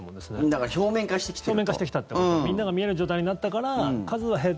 だから表面化してきていると。